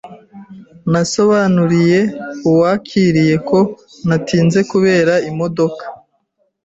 Nasobanuriye uwakiriye ko natinze kubera imodoka.